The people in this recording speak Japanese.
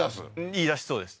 言いだしそうです